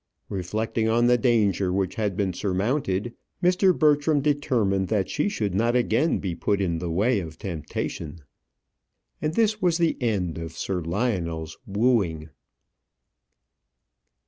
Reflecting on the danger which had been surmounted, Mr. Bertram determined that she should not again be put in the way of temptation. And this was the end of Sir Lionel's wooing.